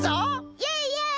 イエイイエイ！